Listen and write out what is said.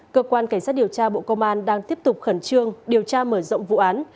cơ quan cảnh sát điều tra bộ công an đang tiếp tục khẩn trương điều tra mở rộng vụ án